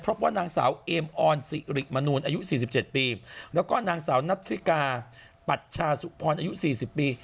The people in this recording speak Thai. พบว่านางสาวเอมออนสิริมนูลอายุ๔๗ปีแล้วก็นางสาวนัทธิกาปัชชาสุพรอายุ๔๐ปี